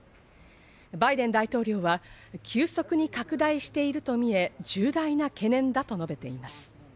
バイデン大統領は急速に拡大していると見え、重大な懸念だと述べています。